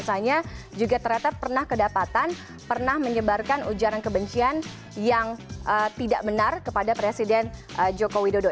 rasanya juga ternyata pernah kedapatan pernah menyebarkan ujaran kebencian yang tidak benar kepada presiden joko widodo